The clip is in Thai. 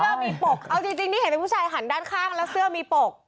ว่ามีปกเอาจริงที่เห็นเป็นผู้ชายหันด้านข้างแล้วเสื้อมีปก